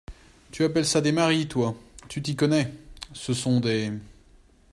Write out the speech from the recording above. Tu appelles ça des maris, toi !… tu t’y connais… ce sont des…